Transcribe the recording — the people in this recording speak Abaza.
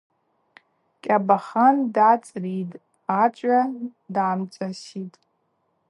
Кьабахан дгӏацӏритӏ, ачӏвгӏва дамцӏаситӏ.